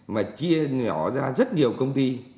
mà chia nhỏ ra rất nhiều công ty